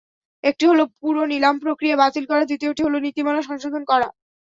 একটি হলো পুরো নিলামপ্রক্রিয়া বাতিল করা, দ্বিতীয়টি হলো নীতিমালা সংশোধন করা।